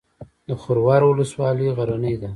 د خروار ولسوالۍ غرنۍ ده